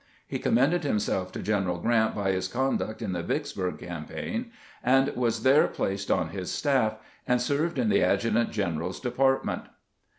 He commended himself to General Grrant by his conduct in the Vieksburg campaign, and was there placed on his staff, and served in the adjutant general's department.